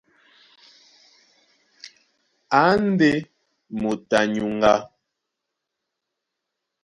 A e ndé moto a nyuŋgá.